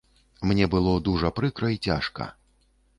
Мне было дужа прыкра і цяжка.